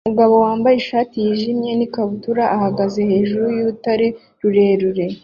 Umugabo wambaye ishati yijimye n'ikabutura ahagaze hejuru y'urutare rurerure